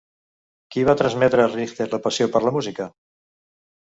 Qui va transmetre a Richter la passió per la música?